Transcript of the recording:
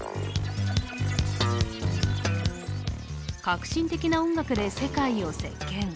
革新的な音楽で世界を席けん。